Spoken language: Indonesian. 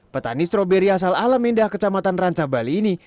petani stroberi asal alameda kecamatan rancabali ini